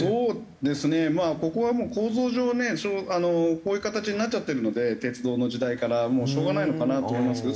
こういう形になっちゃってるので鉄道の時代から。もうしょうがないのかなと思いますけど。